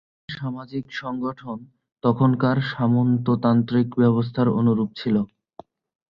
এ ধরনের সামাজিক সংগঠন তখনকার সামন্ততান্ত্রিক ব্যবস্থার অনুরূপ ছিল।